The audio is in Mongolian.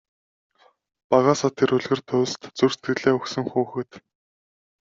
Багаасаа тэр үлгэр туульст зүрх сэтгэлээ өгсөн хүүхэд.